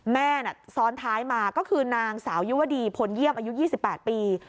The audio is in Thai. แม่ซ้อนท้ายมาก็คือนางสาวยุวดีพลเยี่ยมอายุ๒๘ปี